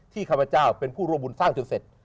ข้าพเจ้าเป็นผู้ร่วมบุญสร้างจนเสร็จ